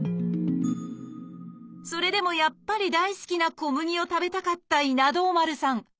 それでもやっぱり大好きな小麦を食べたかった稲童丸さん。